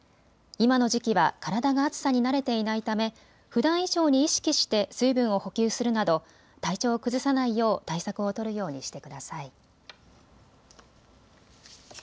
今の時期は体が暑さに慣れていないためふだん以上に意識して水分を補給するなど体調を崩さないよう対策を取るようにしてください。